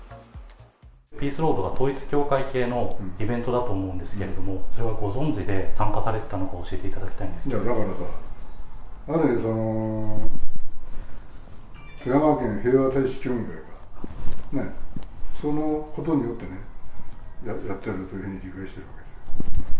ピースロードが統一教会系のイベントだと思うんですけれども、それをご存じで参加されていたのか、だからさあ、富山県平和大使協議会で、そのことによってね、やっているというふうに理解している。